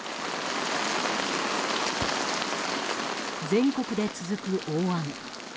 全国で続く大雨。